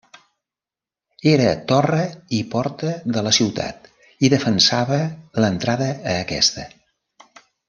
Era torre i porta de la ciutat i defensava l'entrada a aquesta.